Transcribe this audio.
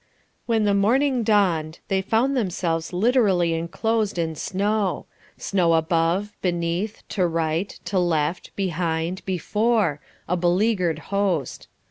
When the morning dawned they found themselves literally enclosed in snow snow above, beneath, to right, to left, behind, before a beleaguered host.